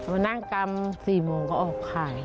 มานั่งกำสี่โมงเขาออกขาย